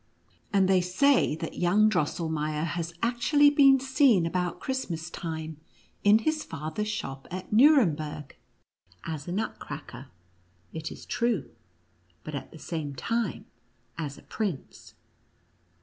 And they say that young Drosselmeier has actually been seen about Christmas time in his father's shop at Nuremberg, as a Nutcracker, it is true, but, at the same time, as a prince.